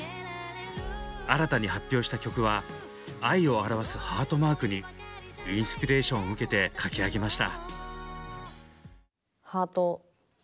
新たに発表した曲は「愛」を表すハートマークにインスピレーションを受けて書き上げました。